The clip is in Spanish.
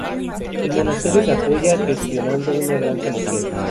El monasterio se apoya gestionando una granja lechera.